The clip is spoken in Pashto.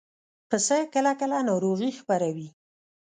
پسه کله کله ناروغي خپروي.